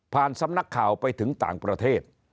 สำนักข่าวไปถึงต่างประเทศ